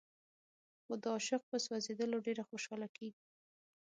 خو د عاشق په سوځېدلو ډېره خوشاله کېږي.